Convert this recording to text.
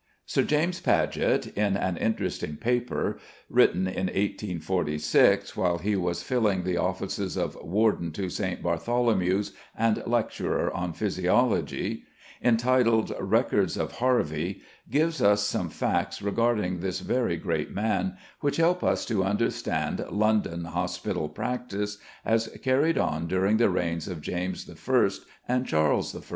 Sir James Paget, in an interesting paper (written in 1846 while he was filling the offices of Warden to St. Bartholomew's and Lecturer on Physiology) entitled "Records of Harvey," gives us some facts regarding this very great man, which help us to understand London "hospital practice" as carried on during the reigns of James I. and Charles I.